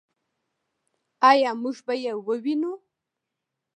آیا موږ به یې ووینو؟